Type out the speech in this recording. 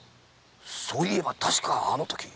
そういえば確かあのとき。